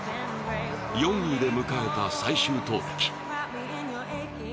４位で迎えた最終投てき。